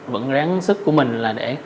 vẫn ráng sức của mình là để